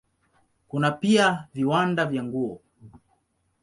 Kuna pia viwanda vya nguo.